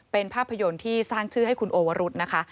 เป็นภาพยนตร์ที่สร้างชื่อให้คุณโอวรุธนะคะ